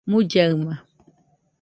mullaɨna